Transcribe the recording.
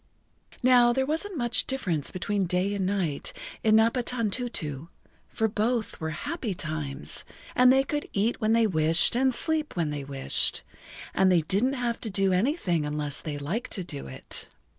Now there wasn't much difference between day and night in Napatantutu, for[Pg 13] both were happy times, and they could eat when they wished and sleep when they wished, and they didn't have to do anything unless they liked to do it.